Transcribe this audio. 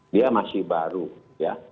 dia masih baru ya